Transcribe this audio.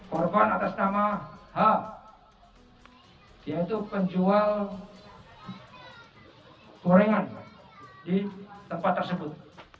korban atas nama h yaitu penjual gorengan di tempat tersebut